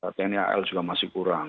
tni al juga masih kurang